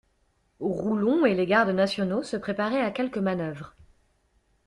Roulon et les gardes nationaux se préparaient à quelque manœuvre.